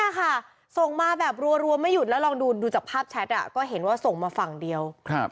นี่ค่ะส่งมาแบบรัวไม่หยุดแล้วลองดูจากภาพแชทก็เห็นว่าส่งมาฝั่งเดียว